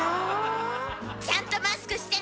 ちゃんとマスクしてね！